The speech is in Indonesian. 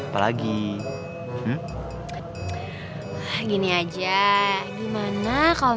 yang penting lagi mujeresing